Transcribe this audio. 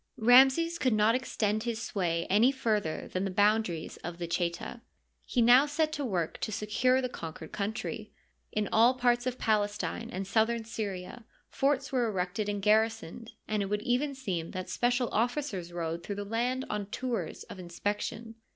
Ramses could not extend his sway any further than the boundaries of the Cheta. He now set to work to se cure the conquered country. In all parts of Palestine and southern Syria forts were erected and garrisoned, and it would even seem that special officers rode through the land on tours of inspection.